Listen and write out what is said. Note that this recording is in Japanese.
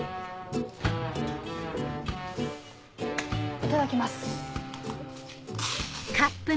いただきます。